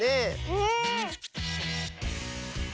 うん。